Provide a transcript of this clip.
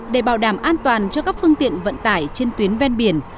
để bảo đảm an toàn cho các phương tiện vận tải trên tuyến ven biển